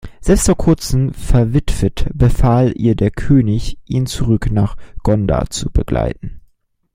Selbst vor kurzem verwitwet, befahl ihr der König, ihn zurück nach Gondar zu begleiten.